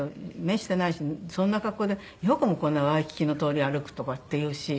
「してないしそんな格好でよくもこんなワイキキの通り歩く」とかって言うし。